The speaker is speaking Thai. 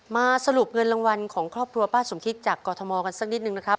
สรุปเงินรางวัลของครอบครัวป้าสมคิตจากกรทมกันสักนิดนึงนะครับ